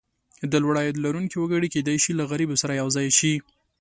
د لوړ عاید لرونکي وګړي کېدای شي له غریبو سره یو ځای شي.